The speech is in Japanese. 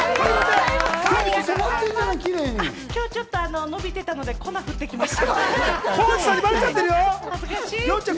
今日ちょっと伸びてたので粉を振ってきました。